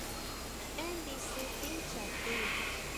Énn ndisu tincha ti.